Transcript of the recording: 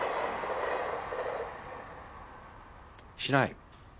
しない。